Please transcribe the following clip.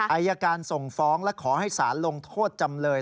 อายการส่งฟ้องและขอให้สารลงโทษจำเลย